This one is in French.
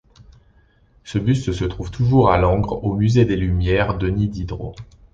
Ce buste se trouve toujours à Langres, au Musée des Lumières Denis Diderot.